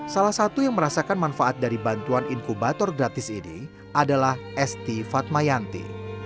salah satu yang merasakan manfaat dari bantuan inkubator gratis ini adalah esti fatmayanti